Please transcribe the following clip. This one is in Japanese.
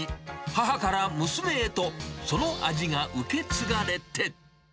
母から娘へと、その味が受け継がれて。